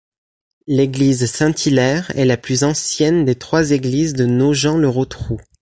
L'église Saint-Hilaire est la plus ancienne des trois églises de Nogent-le-Rotrou.